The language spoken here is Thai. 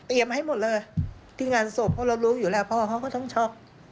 ให้หมดเลยที่งานศพเพราะเรารู้อยู่แล้วพ่อเขาก็ต้องช็อก